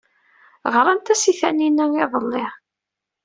Ɣrant-as i Taninna iḍelli.